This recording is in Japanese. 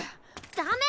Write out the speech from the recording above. ダメ！